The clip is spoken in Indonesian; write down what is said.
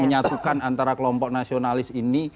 menyatukan antara kelompok nasionalis ini